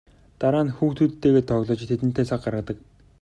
Дараа нь хүүхдүүдтэйгээ тоглож тэдэндээ цаг гаргадаг.